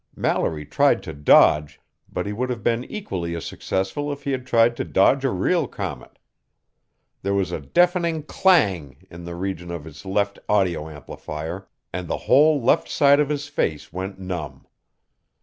Mallory tried to dodge, but he would have been equally as successful if he had tried to dodge a real comet. There was a deafening clang! in the region of his left audio amplifier, and the whole left side of his face went numb.